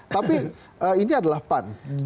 tapi ini adalah pan